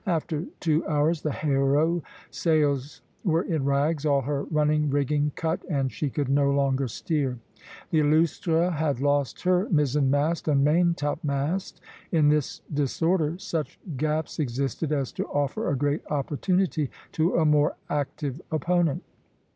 After two hours the 'Héros'' sails were in rags, all her running rigging cut, and she could no longer steer. The 'Illustre' had lost her mizzen mast and maintopmast." In this disorder such gaps existed as to offer a great opportunity to a more active opponent.